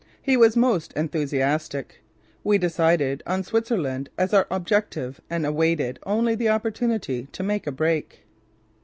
He was most enthusiastic. We decided on Switzerland as our objective and awaited only the opportunity to make a break.